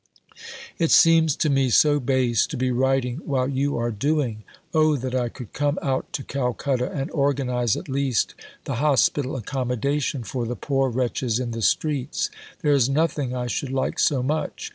It seems to me so base to be writing while you are doing. Oh that I could come out to Calcutta and organize at least the Hospital accommodation for the poor wretches in the streets. There is nothing I should like so much.